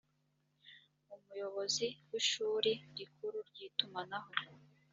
umuyobozi w ishuri rikuru ry itumanaho